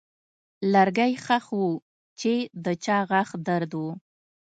لرګی ښخ و چې د چا غاښ درد و.